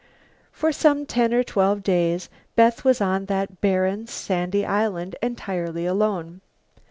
For some ten or twelve days Beth was on that barren, sandy island entirely alone.